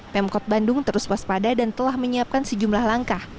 pemkot bandung terus waspada dan telah menyiapkan sejumlah langkah